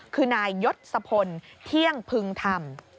คือนายยศพลเที่ยงพึงธรรม